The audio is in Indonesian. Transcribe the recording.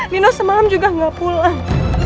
nino semalam juga nggak pulang